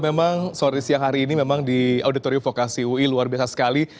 memang sore siang hari ini memang di auditorium vokasi ui luar biasa sekali